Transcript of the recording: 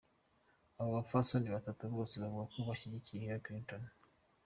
Abo bapfasoni batatu bose bavuga ko bashigikiye Hillary Clinton.